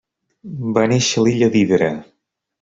Va néixer a l'illa d'Hidra.